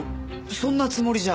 そんなつもりじゃ。